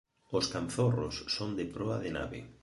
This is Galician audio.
Os canzorros son de proa de nave.